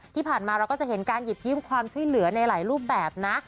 ที่ผ่านมาเราก็จะเห็นการหยิบยิ้มความช่วยเหลือในหลายรูปแบบนะ